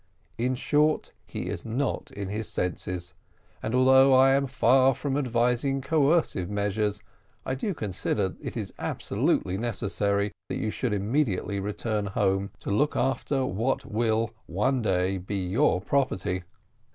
In short, he is not in his senses; and, although I am far from advising coercive measures, I do consider that it is absolutely necessary that you should immediately return home and look after what will one day be your property.